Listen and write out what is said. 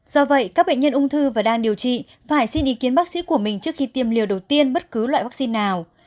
do vậy các bệnh nhân ung thư và đang điều trị phải xin ý kiến bác sĩ của mình trước khi tiêm liều đầu tiên bất cứ loại vaccine nào